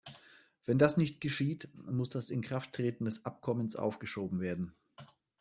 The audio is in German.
Wenn das nicht geschieht, muss das Inkrafttreten des Abkommens aufgeschoben werden.